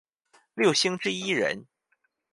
六星之一人。